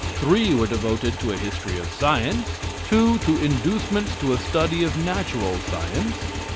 Three were devoted to a history of science. Two to inducements to a study of natural science.